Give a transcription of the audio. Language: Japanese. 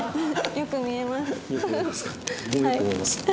よく見えますか。